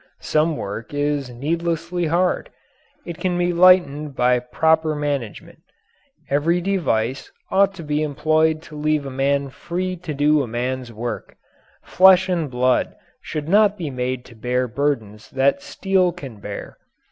Some work is needlessly hard. It can be lightened by proper management. Every device ought to be employed to leave a man free to do a man's work. Flesh and blood should not be made to bear burdens that steel can bear.